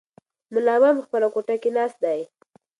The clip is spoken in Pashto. ملا بانګ په خپله کوټه کې ناست دی.